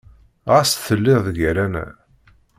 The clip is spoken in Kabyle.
Ɣas telliḍ gar-aneɣ.